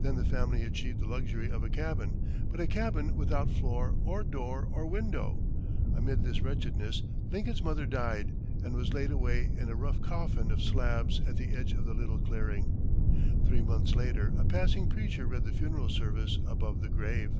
Then the family achieved the luxury of a cabin, but a cabin without floor or door or window. Amid this wretchedness, Lincoln's mother died, and was laid away in a rough coffin of slabs at the edge of the little clearing. Three months later, a passing preacher read the funeral service above the grave.